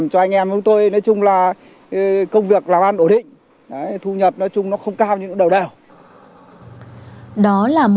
sau nhiều người vẫn cứ chủ quan và coi thường như thế này